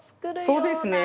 そうですね。